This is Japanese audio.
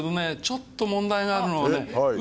ちょっと問題があるのは。